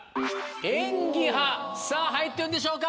演技派さぁ入ってるんでしょうか？